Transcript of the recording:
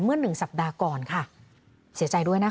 หนึ่งสัปดาห์ก่อนค่ะเสียใจด้วยนะคะ